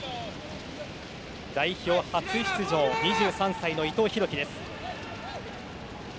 代表初出場、２３歳の伊藤洋輝。